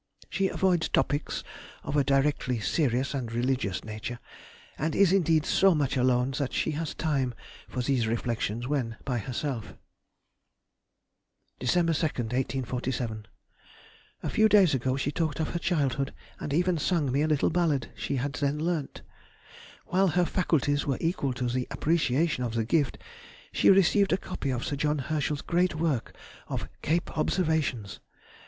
She avoids topics of a directly serious and religious nature—and is indeed so much alone that she has time for these reflections when by herself. Dec. 2, 1847. A few days ago she talked of her childhood, and even sung me a little ballad she had then learnt. [Sidenote: 1846. Survey of the Nebulous Heavens.] While her faculties were equal to the appreciation of the gift, she received a copy of Sir John Herschel's great work of Cape Observations.